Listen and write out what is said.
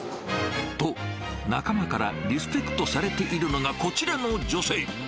と、仲間からリスペクトされているのがこちらの女性。